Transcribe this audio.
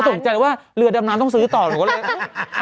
ตกใจเลยว่าเรือดำน้ำต้องซื้อต่อหนูก็เลย